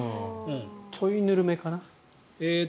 ちょいぬるめかな？